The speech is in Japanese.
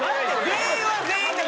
全員は全員で。